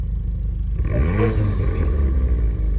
Ad twalim nnbi?